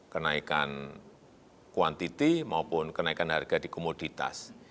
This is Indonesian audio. kenaikan kuantiti maupun kenaikan harga di komoditas